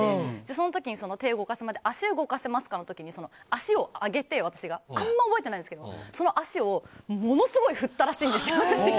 その時に手を動かして足を動かせますかの時に足を上げて、私があんまり覚えていないんですけどその足をものすごい振ったらしいんですよ。